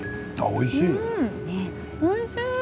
おいしい。